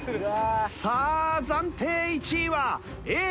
さあ暫定１位はＡぇ！